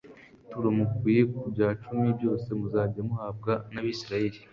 ituro mukuye ku bya cumi byose muzajya muhabwa n abisirayeli